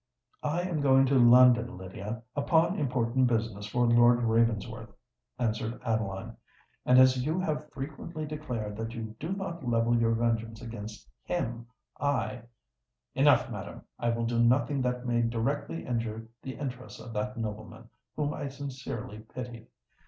"I am going to London, Lydia, upon important business for Lord Ravensworth," answered Adeline; "and as you have frequently declared that you do not level your vengeance against him, I——" "Enough, madam: I will do nothing that may directly injure the interests of that nobleman, whom I sincerely pity.